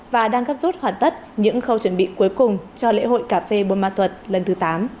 và đang gấp rút hoàn tất những khâu chuẩn bị cuối cùng cho lễ hội cà phê buôn ma thuật lần thứ tám